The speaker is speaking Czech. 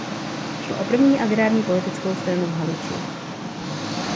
Šlo o první agrární politickou stranu v Haliči.